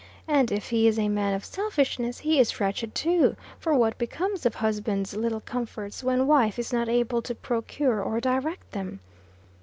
And if he is a man of selfishness, he is wretched, too; for what becomes of husband's little comforts, when wife is not able to procure or direct them?